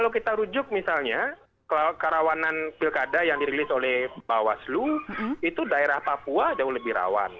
kalau kita rujuk misalnya kerawanan pilkada yang dirilis oleh bawaslu itu daerah papua jauh lebih rawan